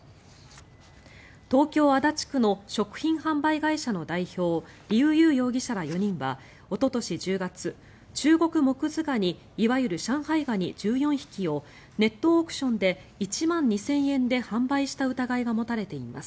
東京・足立区の食品販売会社の代表リウ・ユー容疑者ら４人はおととし１０月チュウゴクモクズガニいわゆる上海ガニ１４匹をネットオークションで１万２０００円で販売した疑いが持たれています。